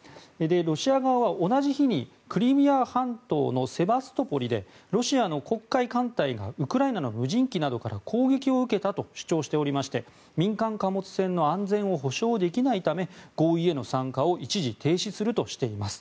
ロシア側は同じ日にクリミア半島のセバストポリでロシアの黒海艦隊がウクライナの無人機などから攻撃を受けたと主張しておりまして民間貨物船の安全を保障できないため合意への参加を一時停止するとしています。